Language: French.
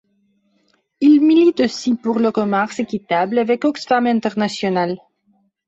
Il milite aussi pour le commerce équitable avec Oxfam International.